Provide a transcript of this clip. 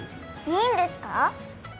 いいんですか？